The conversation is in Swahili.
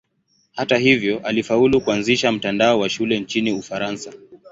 Hata hivyo alifaulu kuanzisha mtandao wa shule nchini Ufaransa.